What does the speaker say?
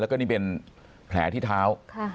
แล้วก็นี่เป็นแผลที่เท้า